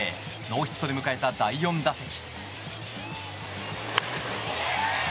ノーヒットで迎えた第４打席。